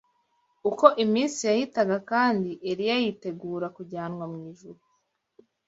Uko iminsi yahitaga kandi Eliya yitegura kujyanwa mu ijuru